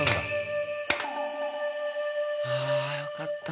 ああよかった。